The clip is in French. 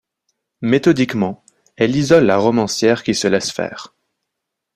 Méthodiquement, elle isole la romancière qui se laisse faire.